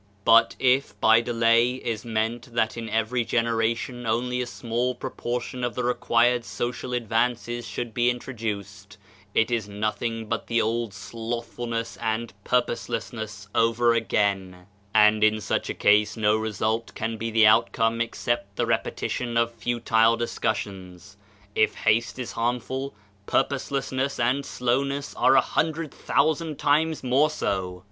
But if, by delay, is meant that in every genera tion only a small proportion of the required social advancesf should be introduced, it is nothing but the old slothfulness and purposelessness over again, and in such a case no result can be the outcome except the repetition of futile discussions. If haste is harmful, purposelessness and slowness are a hundred thousand times more so.